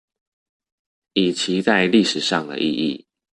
及其在歷史上的意義